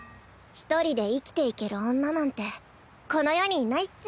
一人で生きていける女なんてこの世にいないっス。